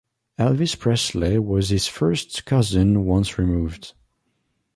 Elvis Presley was his first cousin once removed.